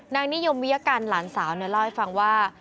นางนิยมวิยกันหลานสาวเนี่ยเล่าให้ฟังว่า